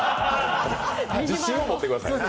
自信を持ってください。